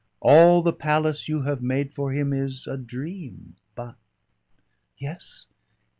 All the palace you have made for him is a dream. But " "Yes?"